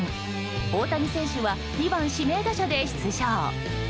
大谷選手は２番指名打者で出場。